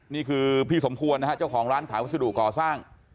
นี่คือพี่สมควรนะฮะเจ้าของร้านขายวัสดุก่อสร้าง